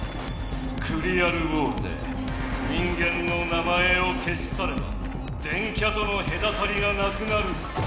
クリアルウォールで人間の名前をけしされば電キャとのへだたりがなくなる。